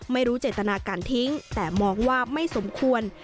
ไม่รู้เจตนาการทิ้งแต่มองว่าไม่สมควร